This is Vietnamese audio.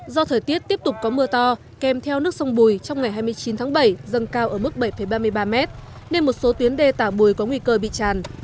do thời tiết tiếp tục có mưa to kèm theo nước sông bùi trong ngày hai mươi chín tháng bảy dâng cao ở mức bảy ba mươi ba mét nên một số tuyến đê tả bùi có nguy cơ bị tràn